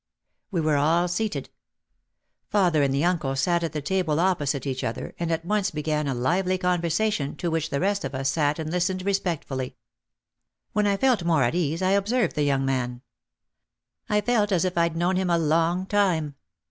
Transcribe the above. We were all seated. Father and the uncle sat at the table opposite each other and at once began a lively conversation to which the rest of us sat and listened respectfully. When I felt more at ease I observed the young man. I felt as if I had known him a long time.